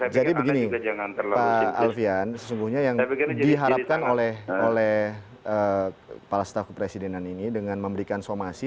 jadi begini pak alfian sesungguhnya yang diharapkan oleh para staf kepresidenan ini dengan memberikan somasi